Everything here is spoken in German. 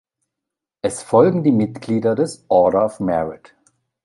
Es folgen die Mitglieder des Order of Merit.